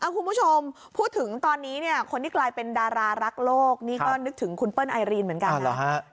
คุณผู้ชมพูดถึงตอนนี้เนี่ยคนที่กลายเป็นดารารักโลกนี่ก็นึกถึงคุณเปิ้ลไอรีนเหมือนกันนะ